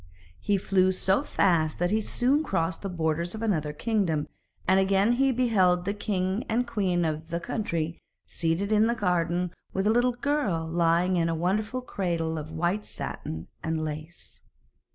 He flew so fast that he soon crossed the borders of another kingdom, and again he beheld the king and queen of the country seated in the garden with a little girl lying in a wonderful cradle of white satin and lace.